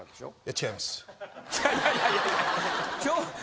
違います。